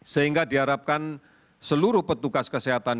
sehingga diharapkan seluruh petugas kesehatan